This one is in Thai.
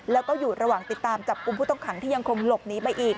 แล้วก็อยู่ระหว่างติดตามจับกลุ่มผู้ต้องขังที่ยังคงหลบหนีไปอีก